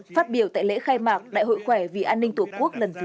phát biểu tại lễ khai mạc đại hội khỏe vì an ninh tổ quốc lần thứ sáu